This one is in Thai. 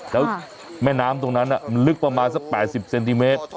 แล้วแม่น้ำตรงนั้นมันลึกประมาณสัก๘๐เซนติเมตร